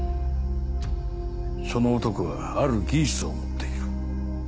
その男がある技術を持っている。